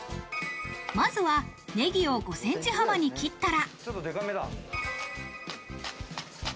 まずはネギを５ｃｍ幅に切ったら。